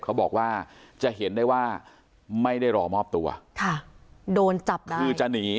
เขาบอกว่าจะเห็นได้ว่าไม่ได้รอมอบตัวค่ะโดนจับได้คือจะหนี